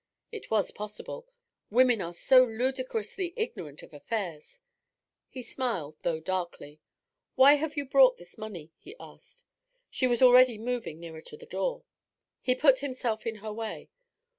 It was possible; women are so ludicrously ignorant of affairs. He smiled, though darkly. 'Why have you brought this money?' he asked. She was already moving nearer to the door. He put himself in her way.